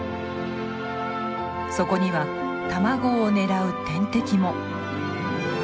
そこには卵を狙う天敵も。